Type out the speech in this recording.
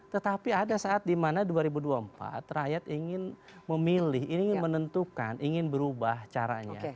tetapi ada saat dimana dua ribu dua puluh empat rakyat ingin memilih ini ingin menentukan ingin berubah caranya